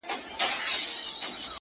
خیر دی قبر ته دي هم په یوه حال نه راځي،